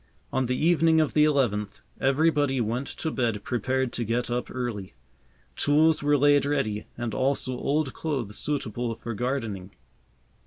On the evening of the eleventh, everybody went to bed prepared to get up early. Tools were laid ready, and also old clothes suitable for gardening.